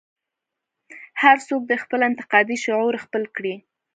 هر څوک دې خپل انتقادي شعور خپل کړي.